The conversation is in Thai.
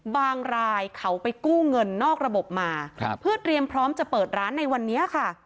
บางรายเขาไปกู้เงินนอกระบบมาเพื่อเตรียมพร้อมจะเปิดร้านในวันนี้ค่ะ